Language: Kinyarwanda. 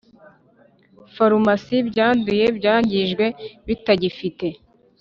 Farumasi byanduye byangijwe bitagifite